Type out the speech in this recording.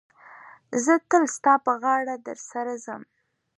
زه تل ستا پر غاړه در سره ځم.